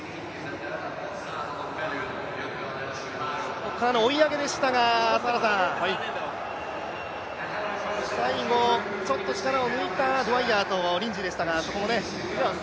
ここからの追い上げでしたが、最後、ちょっと力を抜いたドウァイヤーとリンジーでしたがそこもね。